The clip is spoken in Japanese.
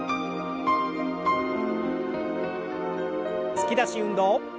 突き出し運動。